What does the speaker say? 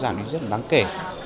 tình hình tai nạn rất là nặng kể